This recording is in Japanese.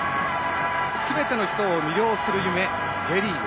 すべての人を魅了する夢Ｊリーグ。